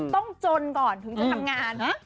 ต้องจนก่อนถึงจะทำงาน